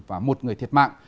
và một người thiệt mạng